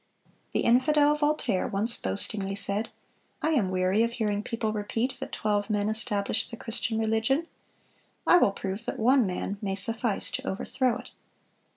The infidel Voltaire once boastingly said: "I am weary of hearing people repeat that twelve men established the Christian religion. I will prove that one man may suffice to overthrow it."